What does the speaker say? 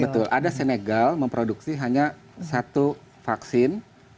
betul ada senegal memproduksi hanya satu vaksin